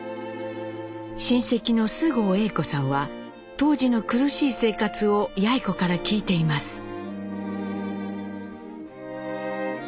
親戚の菅生栄子さんは当時の苦しい生活をやい子から聞いています。